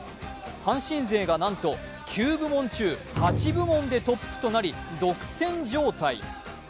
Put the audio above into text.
阪神勢がなんと９部門中８部門でトップとなり独占状態。